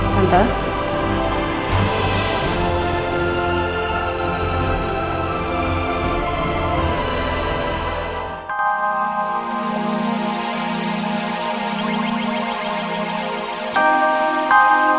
dan terima kasih